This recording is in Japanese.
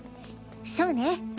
そうね。